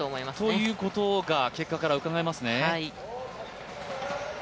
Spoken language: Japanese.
ということが結果からうかがえますね。